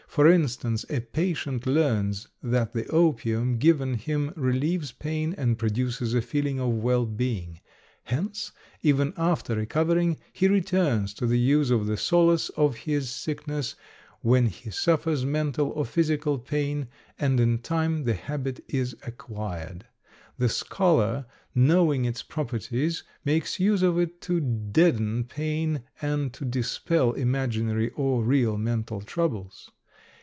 For instance, a patient learns that the opium given him relieves pain and produces a feeling of well being; hence, even after recovering, he returns to the use of the solace of his sickness when he suffers mental or physical pain, and in time the habit is acquired. The scholar knowing its properties makes use of it to deaden pain and to dispel imaginary or real mental troubles.